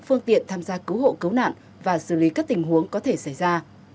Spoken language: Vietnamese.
phương tiện tham gia cứu hộ cứu nạn và xử lý các tình huống có thể xảy ra